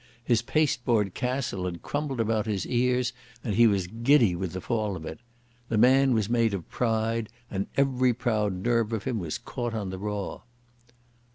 His pasteboard castle had crumbled about his ears and he was giddy with the fall of it. The man was made of pride, and every proud nerve of him was caught on the raw.